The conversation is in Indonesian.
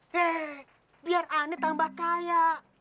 he biar ane tambah kaya